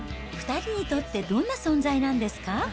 ２人にとってどんな存在なんですか？